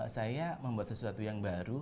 saya membuat sesuatu yang baru